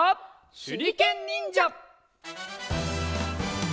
「しゅりけんにんじゃ」！